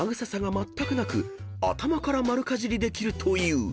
［頭から丸かじりできるという］